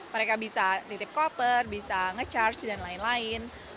mereka bisa nitip koper bisa ngecharge dan lain lain